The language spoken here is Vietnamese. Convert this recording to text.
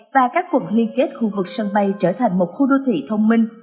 và các quận liên kết khu vực sân bay trở thành một khu đô thị thông minh